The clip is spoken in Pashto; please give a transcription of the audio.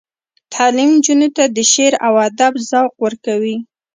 تعلیم نجونو ته د شعر او ادب ذوق ورکوي.